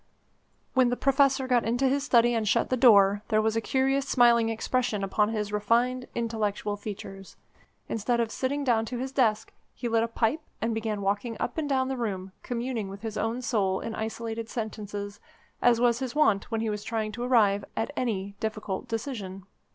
When the Professor got into his study and shut the door, there was a curious smiling expression upon his refined, intellectual features. Instead of sitting down to his desk, he lit a pipe and began walking up and down the room, communing with his own soul in isolated sentences, as was his wont when he was trying to arrive at any difficult decision.